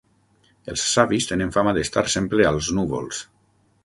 Els savis tenen fama d'estar sempre als núvols!